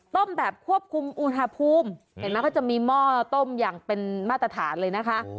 แบบควบคุมอุณหภูมิเห็นไหมก็จะมีหม้อต้มอย่างเป็นมาตรฐานเลยนะคะ